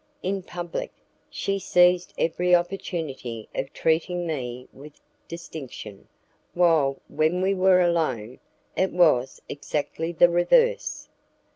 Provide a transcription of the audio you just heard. In public, she seized every opportunity of treating me with distinction, while, when we were alone, it was exactly the reverse.